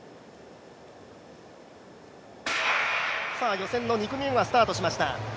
予選の２組目がスタートしました。